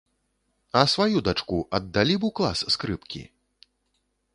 А сваю дачку аддалі б у клас скрыпкі?